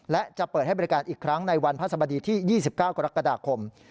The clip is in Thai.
และจะเปิดให้บริการอีกครั้งในวันพระสบดีที่๒๙กรกฎาคม